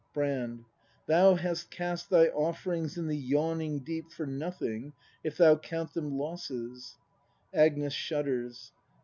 Brand. Thou hast cast Thy oflFerings in the yawning deep For nothing, if thou count them losses Agnes. [Shudders.